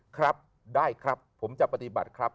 ครับได้ครับผมจะปฏิบัติครับ